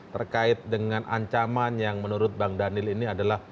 terkait dengan ancaman yang menurut bang daniel ini adalah